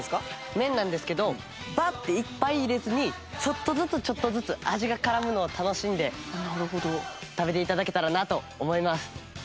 麺なんですけどバッていっぱい入れずにちょっとずつちょっとずつ味が絡むのを楽しんで食べて頂けたらなと思います。